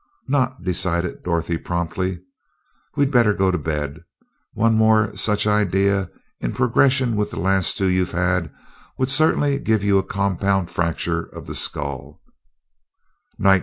"Not!" decided Dorothy, promptly. "We'd better go to bed. One more such idea, in progression with the last two you've had, would certainly give you a compound fracture of the skull.